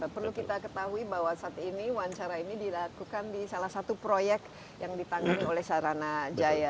perlu kita ketahui bahwa saat ini wawancara ini dilakukan di salah satu proyek yang ditangani oleh sarana jaya